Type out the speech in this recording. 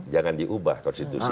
jangan diubah konstitusi